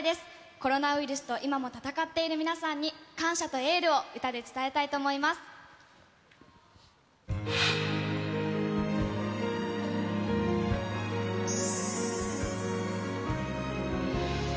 コロナウイルスと今も闘っている皆さんに、感謝とエールを歌で伝えたいと思います。